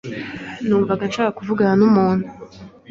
Numvaga nshaka kuvugana n’umuntu